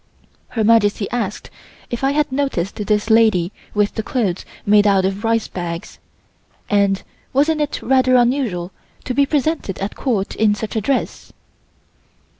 Her Majesty asked if I had noticed this lady with the clothes made out of "rice bags," and wasn't it rather unusual to be presented at Court in such a dress.